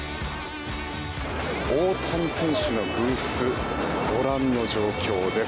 大谷選手のブースご覧の状況です。